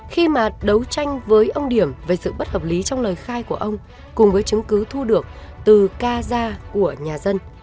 khi mà đấu tranh với ông điểm về sự bất hợp lý trong lời khai của ông cùng với chứng cứ thu được từ ca gia của nhà dân